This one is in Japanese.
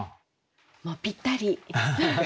もうぴったり。